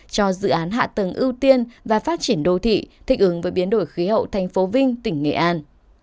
cho dự án hạ tầng ưu tiên và phát triển đô thị thích ứng với biến đổi khí hậu thành phố vinh tỉnh nghệ an